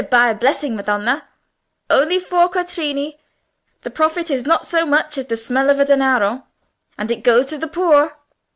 Better buy a blessing, madonna! Only four quattrini; the profit is not so much as the smell of a danaro, and it goes to the poor."